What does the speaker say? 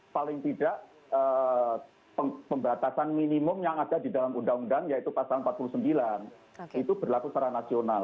sebenarnya collaborating negara punnasnya itu akurat sama dengan pot